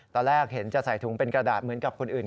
ตอนแรกเห็นจะใส่ถุงเป็นกระดาษเหมือนกับคนอื่น